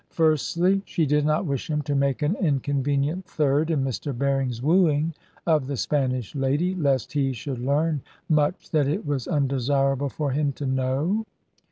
Firstly, she did not wish him to make an inconvenient third in Mr. Berring's wooing of the Spanish lady, lest he should learn much that it was undesirable for him to know.